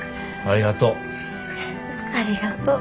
ありがとう。